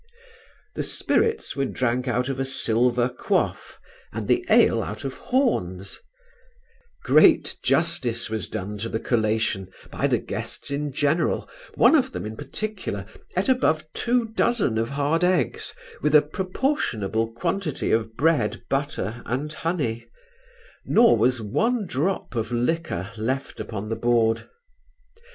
The spirits were drank out of a silver quaff, and the ale out of hems: great justice was done to the collation by the guest in general; one of them in particular ate above two dozen of hard eggs, with a proportionable quantity of bread, butter, and honey; nor was one drop of liquor left upon the board.